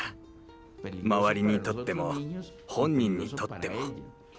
周りにとっても本人にとっても。